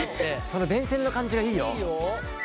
その電線の感じがいいよ！